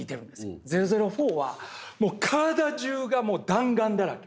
００４はもう体中がもう弾丸だらけ。